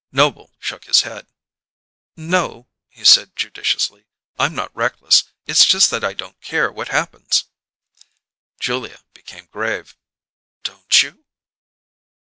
Noble shook his head. "No," he said judicially. "I'm not reckless; it's just that I don't care what happens." Julia became grave. "Don't you?"